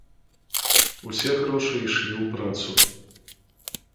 Усе грошы ішлі ў працу.